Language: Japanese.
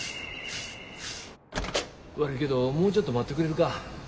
悪いけどもうちょっと待ってくれるか？